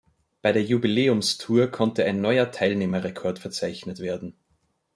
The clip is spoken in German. Bei der Jubiläumstour konnte ein neuer Teilnehmerrekord verzeichnet werden.